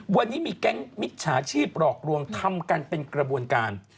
วันนี้มีแก๊งมิจฉาชีพหลอกลวงทำกันเป็นกระบวนการ